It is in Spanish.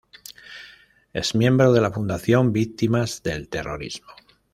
Es miembro de la Fundación Víctimas del Terrorismo.